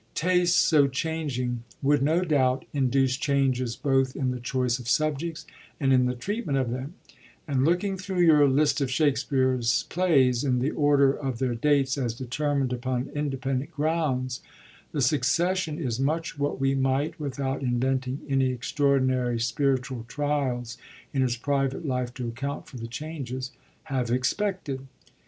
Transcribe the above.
Tastes so changing would no doubt induce changes both in the choice of subjects and in the treatment of them; and looking through your list of Shakspere's plays in the order of their dates as determined upon independent grounds, the succession is much what we might (without inventing any extra ordinary spiritual trials in his private life to account for the changes) have expected.